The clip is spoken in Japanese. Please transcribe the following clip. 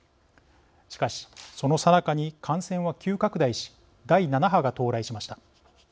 しかしそのさなかに感染は急拡大し第７波が到来しました。